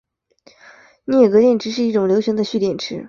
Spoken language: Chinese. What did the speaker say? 镍镉电池是一种流行的蓄电池。